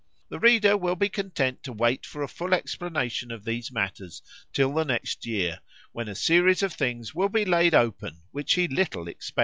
The reader will be content to wait for a full explanation of these matters till the next year,——when a series of things will be laid open which he little expects.